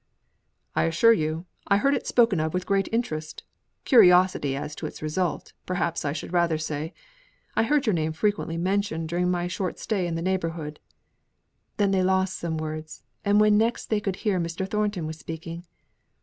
"I assure you, I heard it spoken of with great interest curiosity as to its result, perhaps I should rather say. I heard your name frequently mentioned during my short stay in the neighbourhood." Then they lost some words; and when next they could hear Mr. Thornton was speaking.